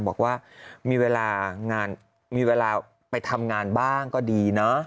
บอกว่ามีเวลาไปทำงานบ้างก็ดีนะ